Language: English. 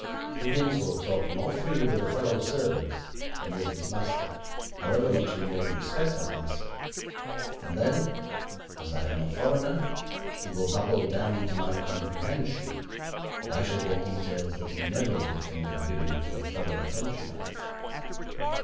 Higgins will talk more freely with a fellow servant than with his master, however much he may respect that master, and then, as I am a foreigner, he will babble down to my comprehension, and I shall get details that he never would think of giving to a fellow countryman.'